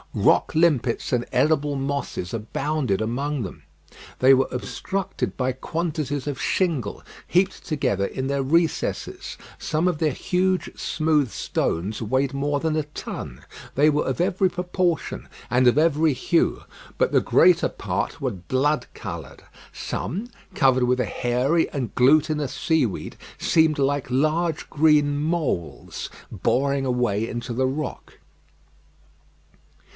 Rock limpets and edible mosses abounded among them. They were obstructed by quantities of shingle, heaped together in their recesses. Some of their huge smooth stones weighed more than a ton. They were of every proportion, and of every hue; but the greater part were blood coloured. Some, covered with a hairy and glutinous seaweed, seemed like large green moles boring a way into the rock.